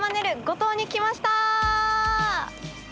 五島に来ました！